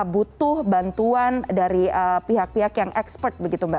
butuh bantuan dari pihak pihak yang expert begitu mbak